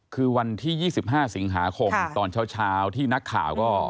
คือวันที่๒๕สิงหาคมตอนเช้าที่นักข่าวก็